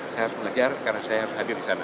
saya harus mengejar karena saya harus hadir di sana